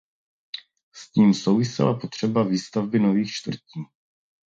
S tím souvisela potřeba výstavby nových čtvrtí.